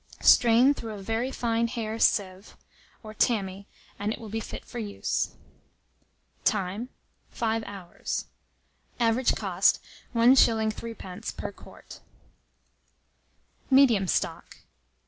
Strain through a very fine hair sieve, or tammy, and it will be fit for use. Time. 5 hours. Average cost, 1s. 3d. per quart. MEDIUM STOCK.